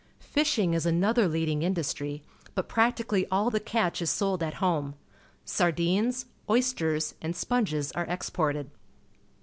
Fishing is another leading industry, but practically all the catch is sold at home. Sardines, oysters, and sponges are exported.